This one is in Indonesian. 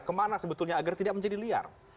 kemana sebetulnya agar tidak menjadi liar